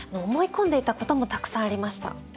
思い込んでいたこともたくさんありました。